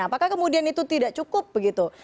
apakah kemudian itu tidak cukup begitu